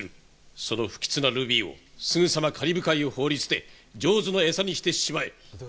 その不吉なルビーをすぐさまカリブ海の法律でジョーズのエサにしてしまえ。